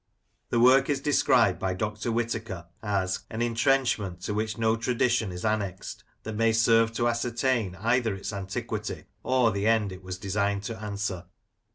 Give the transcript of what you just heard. The work is described by Dr. Whitaker as "an intrenchment to which no tradition is annexed that may serve to ascertain either its antiquity, or the end it was Rossendale: Past and Present 73 designed to answer.